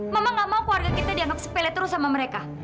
memang gak mau keluarga kita dianggap sepele terus sama mereka